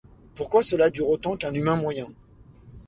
Pourquoi cela dure autant qu’un humain moyen ?